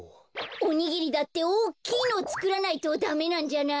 おにぎりだっておっきいのをつくらないとダメなんじゃない？